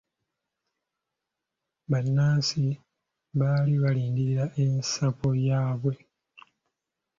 Bannansi baali balindirira ensako yaabwe.